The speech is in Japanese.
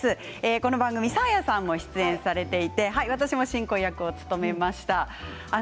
この番組サーヤさんも出演されていて私も進行役を務めました。